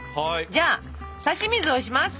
じゃあさし水をします！